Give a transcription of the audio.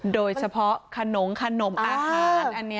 โดยเฉพาะขนมขนมอาหาร